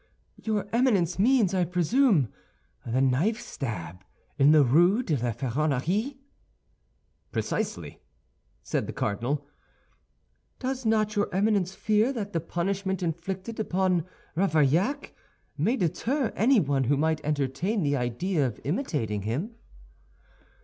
"Your Eminence means, I presume, the knife stab in the Rue de la Feronnerie?" "Precisely," said the cardinal. "Does not your Eminence fear that the punishment inflicted upon Ravaillac may deter anyone who might entertain the idea of imitating him?"